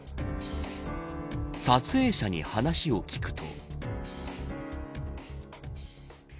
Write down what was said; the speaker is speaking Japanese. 撮影者に話を聞くと。